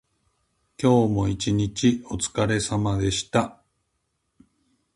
今日も一日おつかれさまでした。